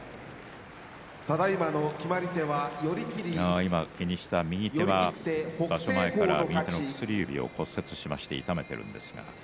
今、気にした右手は場所前から右手の薬指を骨折して痛めています。